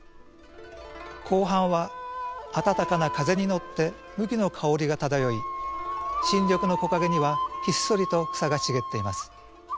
後半は暖かな風に乗って麦の香りが漂い新緑の木陰にはひっそりと草が茂っています。